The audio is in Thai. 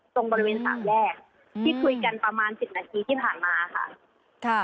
ตรงบริเวณสามแยกที่คุยกันประมาณ๑๐นาทีที่ผ่านมาค่ะ